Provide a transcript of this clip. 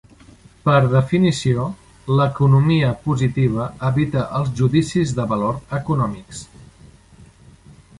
Per definició, l'economia positiva evita els judicis de valor econòmics.